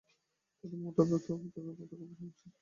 মোটা ভাত মোটা কাপড়ে সংসার চলে।